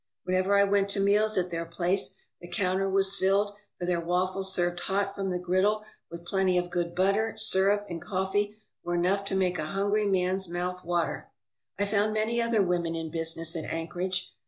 Whenever I went to meals at their place the counter was filled, for their waffles served hot from the griddle with plenty of good butter, syrup, and coffee were enough to make a hungry man's mouth water. I found many other women in business at Anchorage.